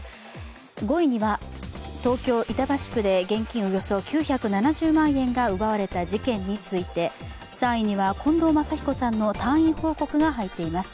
５位には東京・板橋区で現金およそ９７０万円が奪われた事件について３位には、近藤真彦さんの退院報告が入っています。